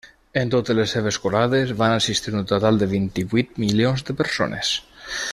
En totes les seves croades, van assistir un total de vint-i-vuit milions de persones.